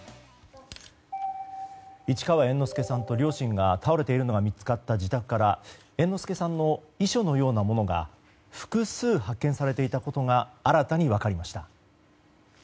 市川猿之助さんと両親が倒れているのが見つかった自宅から猿之助さんの遺書のようなものが複数発見されていたことが新たに分かりました。